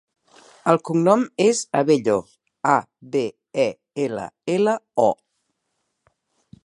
El cognom és Abello: a, be, e, ela, ela, o.